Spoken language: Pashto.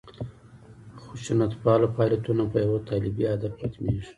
خشونتپاله فعالیتونه په یوه طالبي هدف ختمېږي.